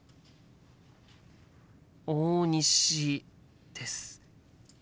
大西です。